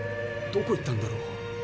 どこ行ったんだろう。